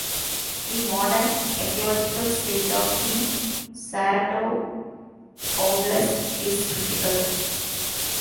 The modern ecological state of the Saratov oblast is critical.